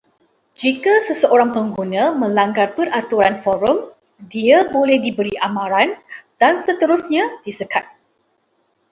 Jika seseorang pengguna melanggar peraturan forum, dia boleh diberi amaran, dan seterusnya disekat